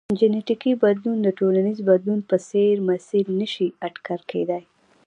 جنیټیکي بدلون د ټولنیز بدلون په څېر مسیر نه شي اټکل کېدای.